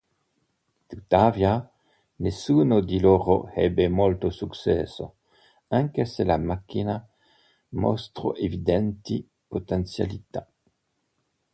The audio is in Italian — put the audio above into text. Tuttavia, nessuno di loro ebbe molto successo, anche se la macchina mostrò evidenti potenzialità.